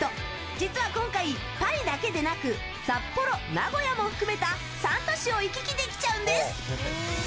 実は今回、パリだけでなく札幌、名古屋も含めた３都市を行き来できちゃうんです。